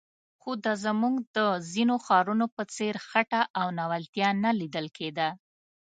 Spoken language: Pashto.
خو د زموږ د ځینو ښارونو په څېر خټه او ناولتیا نه لیدل کېده.